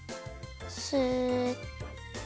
スッ。